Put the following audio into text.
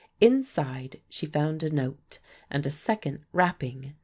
Inside she found a note and a second wrapping.